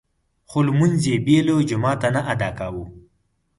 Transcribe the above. خو لمونځ يې بې له جماعته نه ادا کاوه.